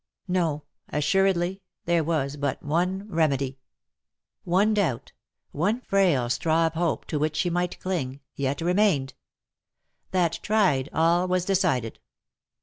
No, assuredly, there was but one remedy. One doubt — one frail straw of hope to which she might cling — yet remained. That tried, all was decided.